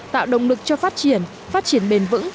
tạo động lực cho phát triển phát triển bền vững